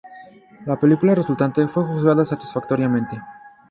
La película resultante fue juzgada satisfactoriamente.